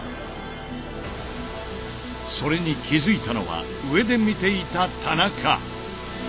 それに気付いたのは上で見ていた田中！